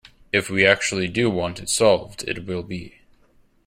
If we actually do want it solved, it will be.